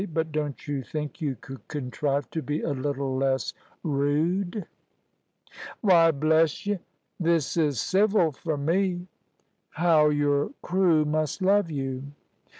"But don't you think you could contrive to be a little less rude?" "Why, bless y', this is civil fur me." "How your crew must love you!"